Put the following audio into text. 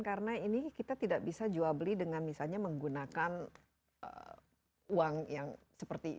karena ini kita tidak bisa jual beli dengan misalnya menggunakan uang yang seperti